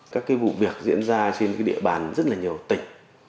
các vụ việc diễn ra trên địa bàn rất là nhiều tỉnh